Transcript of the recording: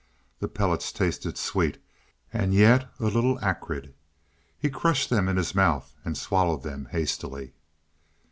The pellets tasted sweet, and yet a little acrid. He crushed them in his mouth and swallowed them hastily.